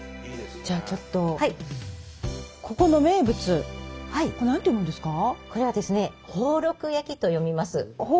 じゃあちょっとこれ何て読むんですか？